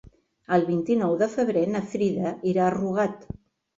El vint-i-nou de febrer na Frida irà a Rugat.